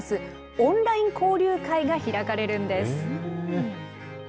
オンライン交流会が開かれるんです。